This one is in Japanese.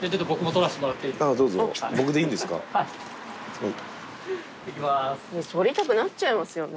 撮りたくなっちゃいますよね。